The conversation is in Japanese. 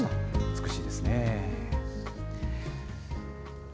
美しいですね。